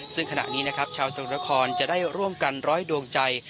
ซึ่งขณะนี้นะครับชาวสมุทรครจะได้ร่วมกันร้อยดวงใจ